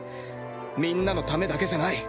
みんなのためだけじゃない。